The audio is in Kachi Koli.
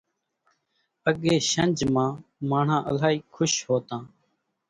اڳيَ شنجھ مان ماڻۿان الائِي کُش هوتان۔